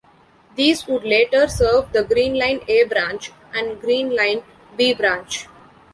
These would later serve the Green Line "A" Branch and Green Line "B" Branch.